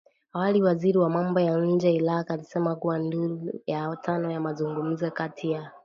Awali waziri wa mambo ya nje wa Iraq, alisema kuwa duru ya tano ya mazungumzo kati ya